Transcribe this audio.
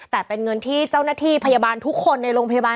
แต่เป็นเงินที่เจ้าหน้าที่พยาบาลทุกคนในโรงพยาบาล